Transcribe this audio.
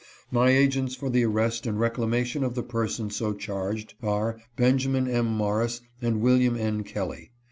My agents for the arrest and reclamation of the person so charged are Benjamin M. Morris and William N. Kelly.